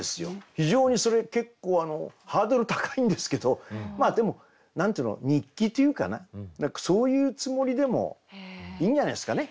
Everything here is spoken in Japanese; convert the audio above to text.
非常にそれ結構ハードル高いんですけどでも何ていうの日記というかな何かそういうつもりでもいいんじゃないですかね。